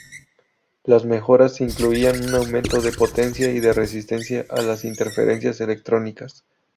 Las mejoras incluían un aumento de potencia y de resistencia a las interferencias electrónicas.